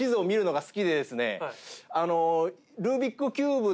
あの。